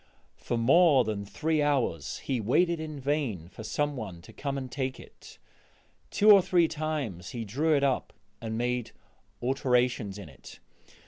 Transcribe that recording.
For more than three hours he waited in vain for some one to come and take it; two or three times he drew it up and made alterations in it.